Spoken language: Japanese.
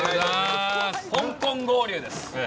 香港合流です。